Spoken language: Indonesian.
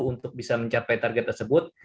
untuk bisa mencapai target tersebut